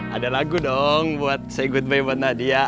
ada lagu dong buat say goodbye buat nadia